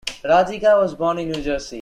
Rah Digga was born in New Jersey.